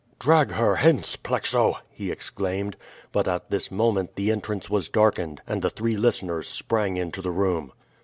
"Drag her hence, Plexo!" he exclaimed. But at this moment the entrance was darkened, and the three listeners sprang into the room.